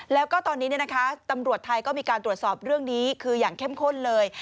แล้วก็ตอนนี้ตำรวจไทยก็มีการตรวจสอบเรื่องนี้คืออย่างเข้มข้นเลย